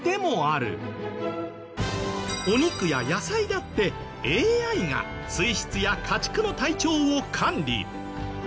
お肉や野菜だってＡＩが水質や家畜の体調を管理。